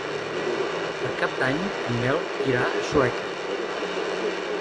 Per Cap d'Any en Nel irà a Sueca.